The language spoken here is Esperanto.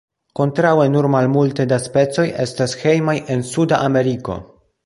Kontraŭe nur malmulte da specoj estas hejmaj en suda Ameriko.